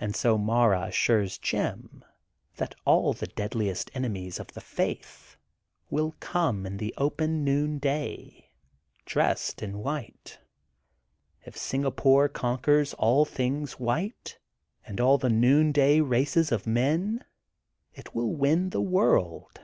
And so Mara assures Jim that all the deadliest enemies of the faith will come in the open noonday, dressed in white. If Singapore conquers all things white, and all the noonday races of men it will win the world.